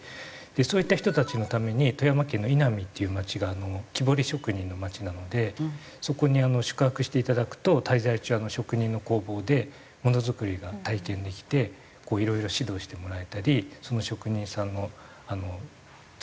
そういった人たちのために富山県の井波っていう街が木彫り職人の街なのでそこに宿泊していただくと滞在中職人の工房でものづくりが体験できてこういろいろ指導してもらえたりその職人さんの作ったものをですね